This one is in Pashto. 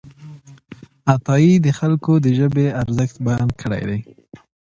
عطايي د خلکو د ژبې ارزښت بیان کړی دی.